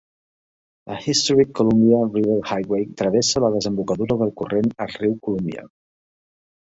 La Historic Columbia River Highway travessa la desembocadura del corrent al riu Columbia.